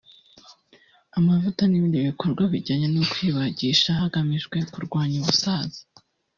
Amavuta n’ibindi bikorwa bijyanye no kwibagisha hagamijwe kurwanya ubusaza